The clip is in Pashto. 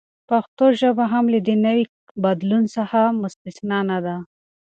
پښتو ژبه هم له دې نوي بدلون څخه مستثناء نه ده.